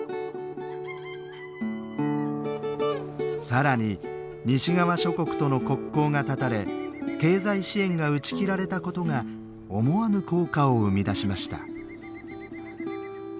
さらに西側諸国との国交が絶たれ経済支援が打ち切られたことが思わぬ効果を生み出しました。